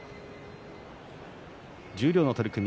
十両の取組